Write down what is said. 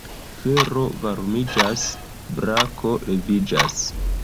Fero varmiĝas, Brako leviĝas.